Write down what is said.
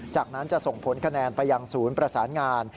จากนั้นจะส่งผลคะแนนไปยังศูนย์ประสานงาน